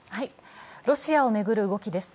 ロシアを巡る動きです。